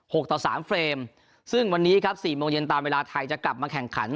กต่อสามเฟรมซึ่งวันนี้ครับสี่โมงเย็นตามเวลาไทยจะกลับมาแข่งขัน